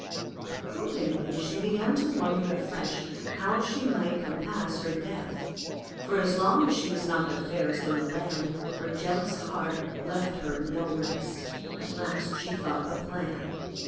Accordingly she began to wonder afresh how she might compass her death; for as long as she was not the fairest in the land her jealous heart left her no rest. At last she thought of a plan.